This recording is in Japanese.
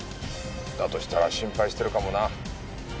だとしたら心配してるかもな。